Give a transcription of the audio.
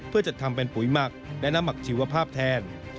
เพื่อจัดทำเป็นปุ๋ยหมักและน้ำหมักชีวภาพแทน